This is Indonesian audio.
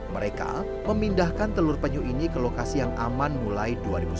mereka memindahkan telur penyu ini ke lokasi yang aman mulai dua ribu sembilan belas